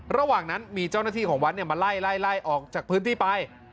ระหว่างนั้นมีเจ้าหน้าที่ของวัดมาไล่ออกจากพื้นที่ไป